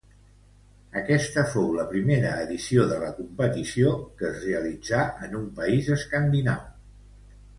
Aquesta fou la primera edició de la competició que es realitzà en un país escandinau.